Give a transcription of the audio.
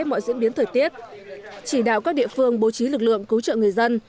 mọi diễn biến thời tiết chỉ đạo các địa phương bố trí lực lượng cứu trợ người dân